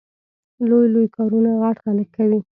لوی لوی کارونه غټ خلګ کوي